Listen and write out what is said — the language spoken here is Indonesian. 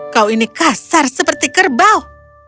kau ini kasar seperti kerbau